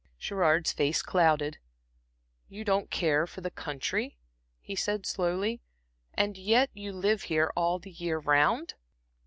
Gerard's face clouded. "You don't care for the country," he said, slowly, "and yet you live here all the year round?"